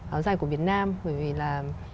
áo dài của việt nam bởi vì là